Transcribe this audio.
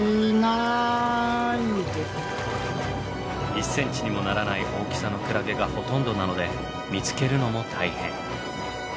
１ｃｍにもならない大きさのクラゲがほとんどなので見つけるのも大変。